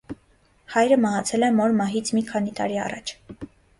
Հայրը մահացել է մոր մահից մի քանի տարի անց։